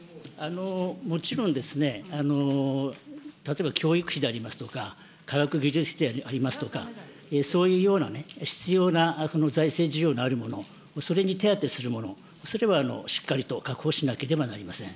もちろん、例えば教育費でありますとか、科学技術費でありますとか、そういうような必要な財政需要のあるもの、それに手当するもの、それはしっかりと確保しなければなりません。